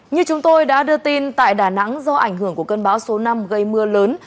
như chúng tôi đã đưa tin tại đà nẵng do ảnh hưởng của cơn bão số năm gây mưa lớn